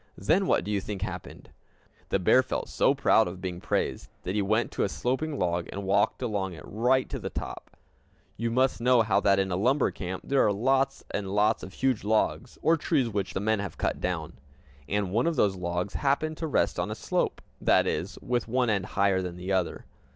Then what do you think happened! The bear felt so proud of being praised that he went to a sloping log, and walked along it right to the top. You must know that in a lumber camp there are lots and lots of huge logs, or trees which the men have cut down. And one of these logs happened to rest on a slope, that is, with one end higher than the other.